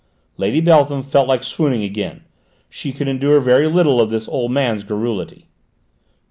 Lady Beltham felt like swooning again; she could endure very little of this old man's garrulity.